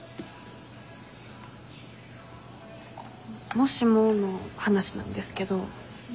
もしもの話なんですけど。